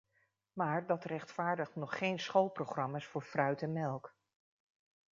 Maar dat rechtvaardigt nog geen schoolprogramma's voor fruit en melk.